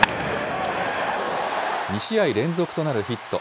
２試合連続となるヒット。